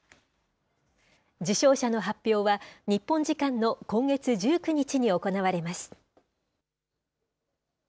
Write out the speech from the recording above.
受賞者の発表は、日本時間の今月１９日に行われます。